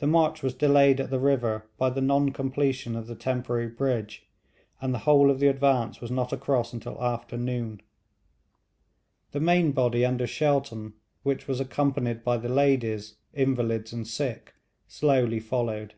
The march was delayed at the river by the non completion of the temporary bridge, and the whole of the advance was not across until after noon. The main body under Shelton, which was accompanied by the ladies, invalids, and sick, slowly followed.